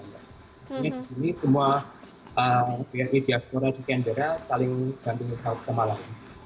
ini di sini semua bni diaspora di canberra saling gantungan sahur sama lain